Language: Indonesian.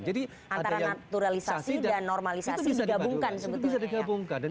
jadi antara naturalisasi dan normalisasi digabungkan